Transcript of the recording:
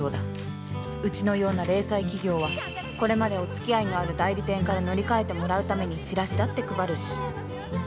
うちのような零細企業はこれまでお付き合いのある代理店から乗り換えてもらうためにチラシだって配るし